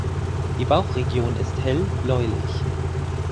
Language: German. Die Bauchregion ist hell bläulich.